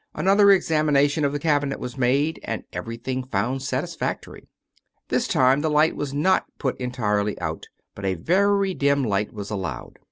Another examination of the cabinet was made and every thing found satisfactory. This time the light was not put entirely out, but a very dim light was allowed.